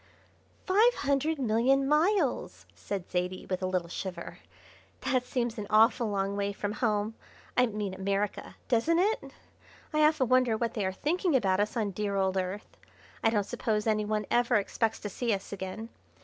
"Five hundred million miles!" said Zaidie, with a little shiver; "that seems an awful long way from home I mean America doesn't it? I often wonder what they are thinking about us on the dear old Earth. I don't suppose any one ever expects to see us again.